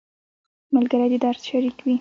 ملګری د درد شریک وي